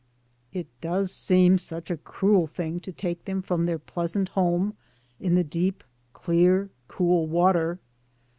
It does seem such a cruel thing to take them from their pleasant home in the deep, clear, cool water.